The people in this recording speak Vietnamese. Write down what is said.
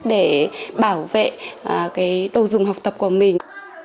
để bảo vệ đồ dùng học tập của mình